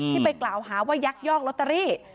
ที่ไปกล่าวหาว่ายักยอกลอตเตอรี่